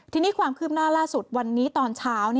ทีนี้ความคืบหน้าล่าสุดวันนี้ตอนเช้า